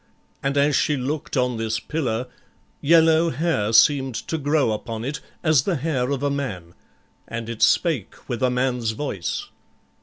And as she looked on this pillar, yellow hair seemed to grow upon it as the hair of a man, and it spake with a man's voice.